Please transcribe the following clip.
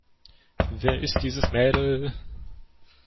Wer ist dieses Mädel?